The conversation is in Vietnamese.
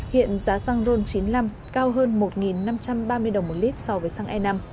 hiện giá xăng ron chín mươi năm cao hơn một năm trăm ba mươi đồng một lít so với xăng e năm